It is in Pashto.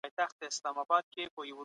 که انلاین کتابتون وي نو هیله نه ختمیږي.